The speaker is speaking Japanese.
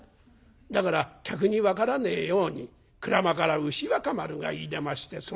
だから客に分からねえように『鞍馬から牛若丸がいでましてその名を九郎』。